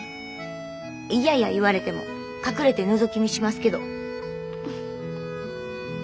嫌や言われても隠れてのぞき見しますけど。